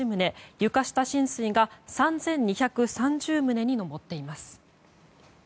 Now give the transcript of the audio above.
床下浸水が３２３０棟に上っています。